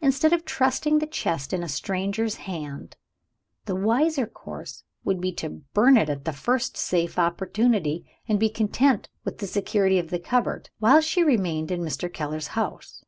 Instead of trusting the chest in a stranger's hands, the wiser course would be to burn it at the first safe opportunity, and be content with the security of the cupboard, while she remained in Mr. Keller's house.